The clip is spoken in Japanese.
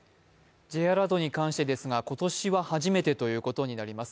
Ｊアラートに関してですが、今年は初めてということになります。